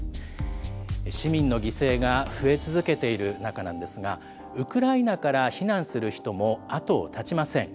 市民の犠牲が増え続けている中なんですが、ウクライナから避難する人も後を絶ちません。